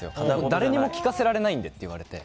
誰にも聞かせられないんでって。